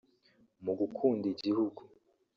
mu gukunda igihugu